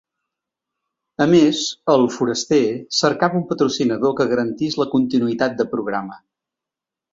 A més, ‘El foraster’ cercava un patrocinador que garantís la continuïtat de programa.